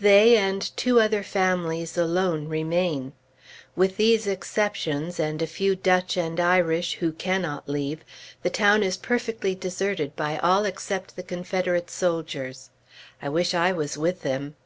They, and two other families, alone remain. With these exceptions, and a few Dutch and Irish who cannot leave, the town is perfectly deserted by all except the Confederate soldiers. I wish I was with them!